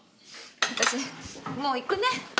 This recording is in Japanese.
私もう行くね。